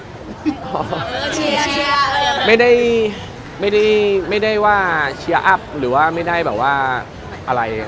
ก็เชียร์ไม่ได้ไม่ได้ว่าเชียร์อัพหรือว่าไม่ได้แบบว่าอะไร